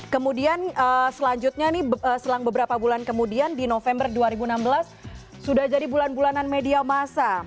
kemudian selanjutnya ini selang beberapa bulan kemudian di november dua ribu enam belas sudah jadi bulan bulanan media masa